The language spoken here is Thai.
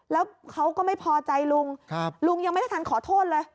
แล้วเขาก็ไม่พอใจลุงลุงยังไม่ได้ทันขอโทษเลย